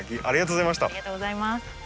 ありがとうございます。